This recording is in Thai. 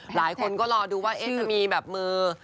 หลายคนก็รอดูว่าจะมีแบบมือ